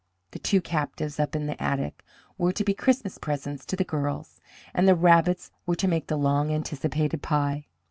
The two captives up in the attic were to be Christmas presents to the girls, and the rabbits were to make the long anticipated pie.